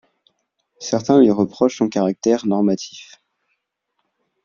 Certains lui reprochent son caractère normatif.